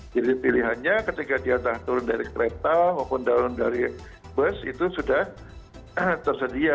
jadi pilihannya ketika dia turun dari kereta maupun turun dari bus itu sudah tersedia